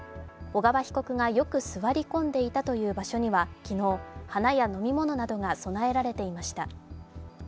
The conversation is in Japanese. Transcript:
小川被告がよく座り込んでいたという場所には、昨日、花や飲み物などが供えられていました。